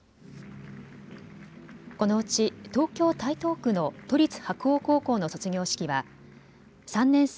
このうち東京台東区の都立白鴎高校の卒業式は３年生